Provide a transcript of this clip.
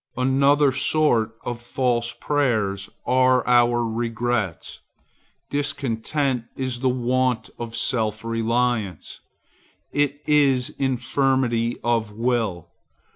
Another sort of false prayers are our regrets. Discontent is the want of self reliance: it is infirmity of will.